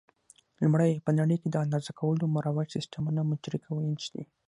لومړی: په نړۍ کې د اندازه کولو مروج سیسټمونه مټریک او انچ دي.